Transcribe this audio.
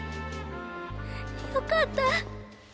よかった。